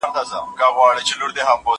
کېدای سي سندري ټيټه وي؟